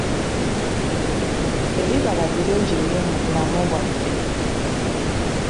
Ebibala birungi nnyo mu bulamu bwaffe.